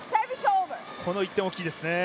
この１点、大きいですね。